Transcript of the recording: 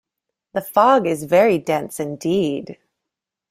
The fog is very dense indeed!